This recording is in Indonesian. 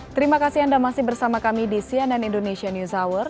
terima kasih anda masih bersama kami di cnn indonesia news hour